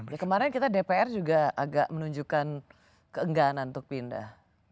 ya kemarin kita dpr juga agak menunjukkan keengganan untuk pindah